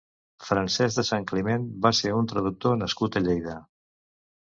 Francesc de Santcliment va ser un traductor nascut a Lleida.